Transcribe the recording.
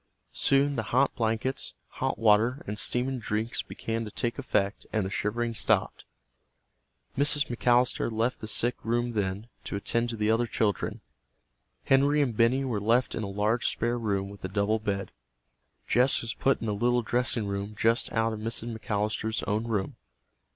Soon the hot blankets, hot water, and steaming drinks began to take effect and the shivering stopped. Mrs. McAllister left the sick room then, to attend to the other children. Henry and Benny were left in a large spare room with a double bed. Jess was put in a little dressing room just out of Mrs. McAllister's own room.